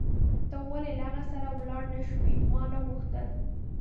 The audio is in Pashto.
ته ولې له هغه سره ولاړ نه شوې؟ ما نه غوښتل.